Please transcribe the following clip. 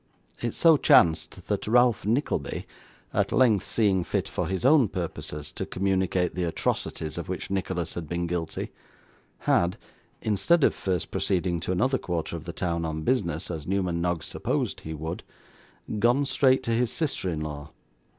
It so chanced that Ralph Nickleby, at length seeing fit, for his own purposes, to communicate the atrocities of which Nicholas had been guilty, had (instead of first proceeding to another quarter of the town on business, as Newman Noggs supposed he would) gone straight to his sister in law.